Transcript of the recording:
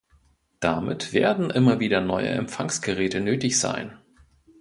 Damit werden immer wieder neue Empfangsgeräte nötig sein.